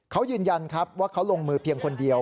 เขายืนยันครับว่าเขาลงมือเพียงคนเดียว